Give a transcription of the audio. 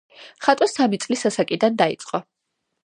ხატვა სამი წლის ასაკიდან დაიწყო.